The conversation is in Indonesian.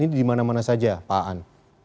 ini dimana mana saja pak an